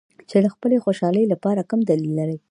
چې د خپلې خوشحالۍ لپاره کم دلیل لري.